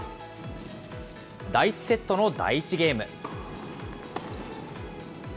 第１セットの第１ゲーム。